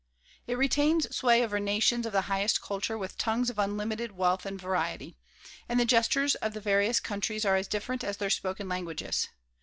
It retains sway over nations of the highest culture with tongues of unlimited wealth and variety. And the gestures of the various countries are as different as their spoken languages.